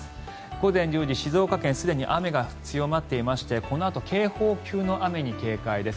午前１０時、静岡県すでに雨が強まっていましてこのあと警報級の雨に警戒です。